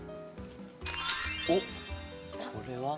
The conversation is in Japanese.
おっこれは？